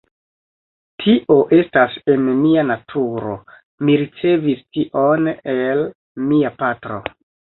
Tio estas en mia naturo, mi ricevis tion el mia patro.